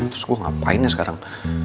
terus gue ngapain ya sekarang